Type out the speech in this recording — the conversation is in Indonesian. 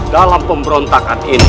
dalam pemberontakan ini